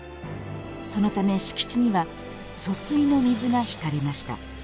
そのため敷地には疏水の水が引かれました。